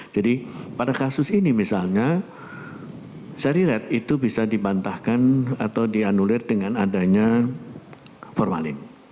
jadi pada kasus ini misalnya seri rad itu bisa dibantahkan atau dianulir dengan adanya formalin